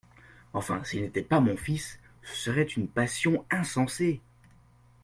Enfin, s’il n’était pas mon fils, ce serait une passion insensée !